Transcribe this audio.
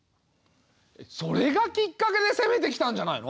それがきっかけで攻めてきたんじゃないの？